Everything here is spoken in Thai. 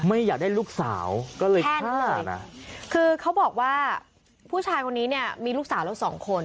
ไม่อยากได้ลูกสาวก็เลยแค่นั้นเลยนะคือเขาบอกว่าผู้ชายคนนี้เนี่ยมีลูกสาวเราสองคน